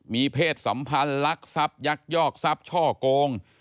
มีเพศสัมพันธ์ลักษัพยักษ์ยอกษัพช่อโกง